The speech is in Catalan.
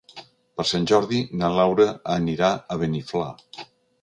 Per Sant Jordi na Laura anirà a Beniflà.